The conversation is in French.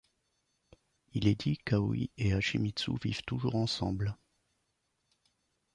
Il est dit qu’Aoi et Hachimitsu vivent toujours ensemble.